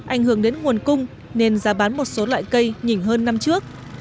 ảnh hưởng đến nguồn cung nên giá bán một số loại cây nhỉnh hơn năm trước